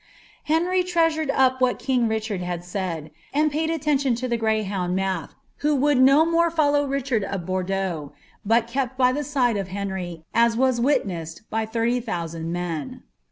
" Henry treasureil up whai king Kichard had said, and pnd aHMHa to the greyhound Math, who would no more follow Richard ot 9»f dcaux, but kept by the side of Henry, as was witnessed by thirty tlwa* ^m tSABBLLA OP VALniS.